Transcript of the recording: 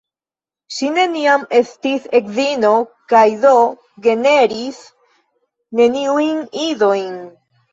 Ŝi neniam estis edzino kaj do generis neniujn idojn.